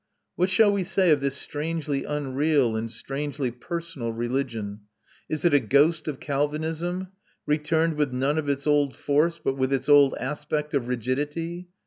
What shall we say of this strangely unreal and strangely personal religion? Is it a ghost of Calvinism, returned with none of its old force but with its old aspect of rigidity?